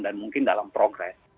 dan mungkin dalam progres